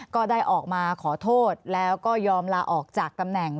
ก็ได้ออกมาขอโทษแล้วก็ยอมลาออกจากตำแหน่ง